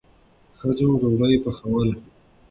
ښځو ډوډۍ پخوله.